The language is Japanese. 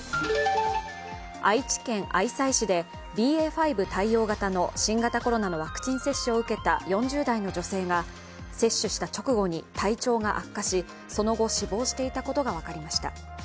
愛知県愛西市でＢＡ．５対応型の新型コロナのワクチン接種を受けた４０代の女性が接種した直後に体調が悪化し、その後死亡していたことが分かりました。